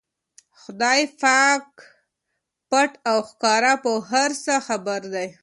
خدای پاک پټ او ښکاره په هر څه خبر دی.